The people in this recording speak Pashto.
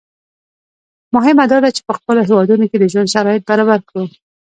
مهمه دا ده چې په خپلو هېوادونو کې د ژوند شرایط برابر کړو.